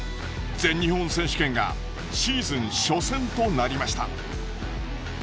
全日本選手権がシーズン初戦となりました。